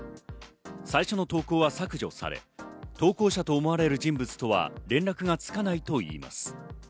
最初の投稿は削除され投稿者と思われる人物とは連絡がつかないといいます。